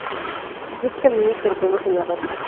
Clubs caninos que reconocen la raza